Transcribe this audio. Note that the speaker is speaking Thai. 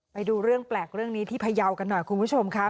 ไปดูเรื่องแปลกเรื่องนี้ที่พยาวกันหน่อยคุณผู้ชมค่ะ